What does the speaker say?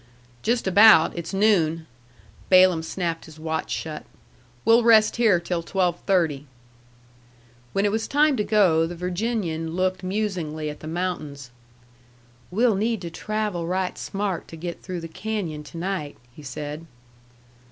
"Just about. It's noon." Balaam snapped his watch shut. "We'll rest here till 12:30." When it was time to go, the Virginian looked musingly at the mountains. "We'll need to travel right smart to get through the canyon to night," he said.